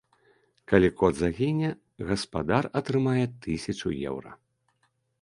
Калі кот загіне, гаспадар атрымае тысячу еўра.